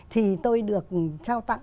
thì tôi được trao tặng